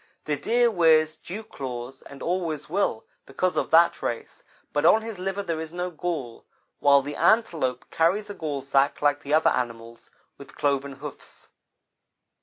The Deer wears dew claws and always will, because of that race, but on his liver there is no gall, while the Antelope carries a gallsack like the other animals with cloven hoofs.